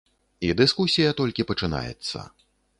І дыскусія толькі пачынаецца.